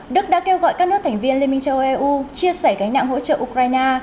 đức đã kêu gọi các nước thành viên liên minh châu âu eu chia sẻ gánh nặng hỗ trợ ukraine